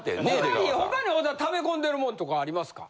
他に小田溜め込んでるもんとかありますか？